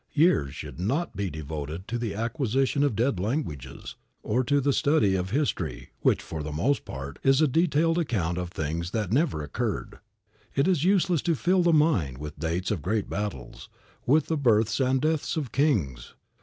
Years should not be devoted to the acquisition of dead languages, or to the study of history which, for the most part, is a detailed account of things that never occurred. It is useless to fill the mind with dates of great battles, with the births and deaths of kings.